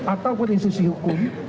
atau institusi hukum